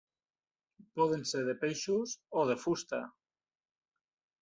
Poden ser de peixos o de fusta.